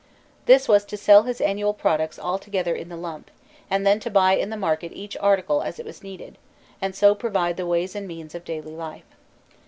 This was to sell his annual products all together in the lump, and then to buy in the market each article as it was needed, and so provide the ways and means of daily life.